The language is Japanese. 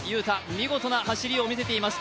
見事な走りを見せています。